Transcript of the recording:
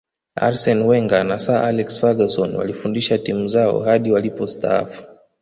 arsene wenger na sir alex ferguson walifundisha timu zao hadi walipostaafu